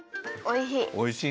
おいしい。